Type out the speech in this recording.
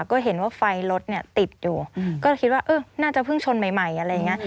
ก็เห็นว่าไฟรถเนี่ยติดอยู่ก็คิดว่าเออน่าจะเพิ่งชนใหม่อะไรอย่างนี้